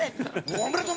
おめでとう！